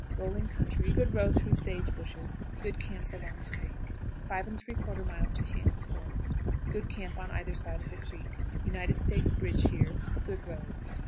Rolling country; good road through sage bushes. Good camps along the creek. 5 3/4. Ham's Fork. Good camp on either side of the creek. United States bridge here; good road.